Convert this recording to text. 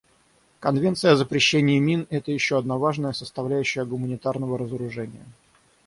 Конвенция о запрещении мин — это еще одна важная составляющая гуманитарного разоружения.